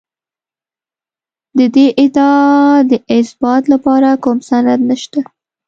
د دې ادعا د اثبات لپاره کوم سند نشته.